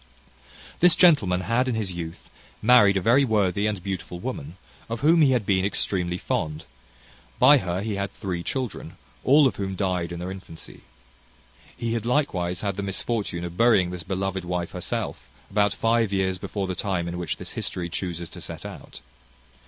This gentleman had in his youth married a very worthy and beautiful woman, of whom he had been extremely fond: by her he had three children, all of whom died in their infancy. He had likewise had the misfortune of burying this beloved wife herself, about five years before the time in which this history chuses to set out.